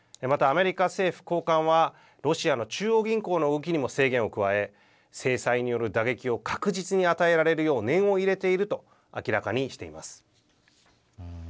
また、アメリカ政府高官はロシアの中央銀行の動きにも制限を加え制裁による打撃を確実に与えられるよう念を入れていると明らかにしています。